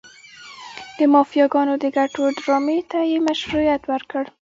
د مافیاګانو د ګټو ډرامې ته یې مشروعیت ورکړ.